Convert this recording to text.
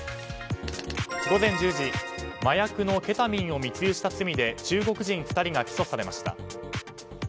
午前１０時麻薬のケタミンを密輸した罪で中国人２人が起訴されました。